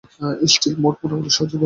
স্টিলথ mode মোটামুটি সহজই বলা যায়।